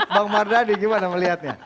bang mardhani gimana melihatnya